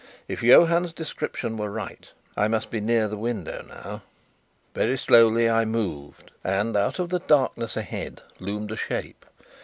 If Johann's description were right, I must be near the window now. Very slowly I moved; and out of the darkness ahead loomed a shape.